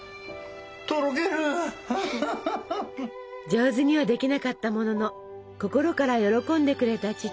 上手にはできなかったものの心から喜んでくれた父。